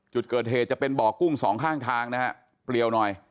จุดเกิดเหตุจะเป็นบ่อกุ้งสองข้างทางนะฮะเปลี่ยวหน่อย